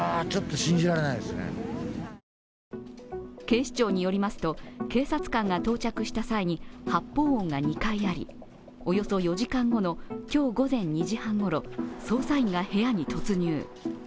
警視庁によりますと、警察官が到着した際に発砲音が２回あり、およそ４時間後の今日午前２時半ごろ、捜査員が部屋に突入。